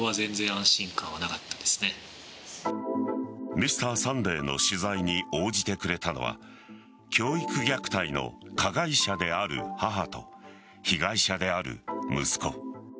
「Ｍｒ．サンデー」の取材に応じてくれたのは教育虐待の加害者である母と被害者である息子。